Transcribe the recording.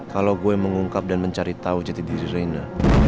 kalau gue mengungkap dan mencari tahu jati diri reina